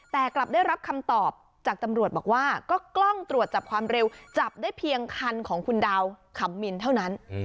แต่กลับได้รับคำตอบจากตำรวจบอกว่าก็กล้องตรวจจับความเร็วจับได้เพียงคันของคุณดาวขำมินเท่านั้น